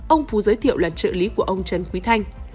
ông phú giới thiệu là trợ lý của ông trần quý thanh